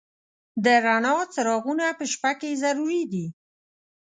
د رڼا څراغونه په شپه کې ضروري دي.